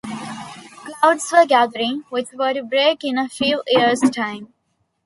Clouds were gathering, which were to break in a few years' time.